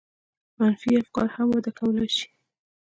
منفي افکار هم وده کولای شي.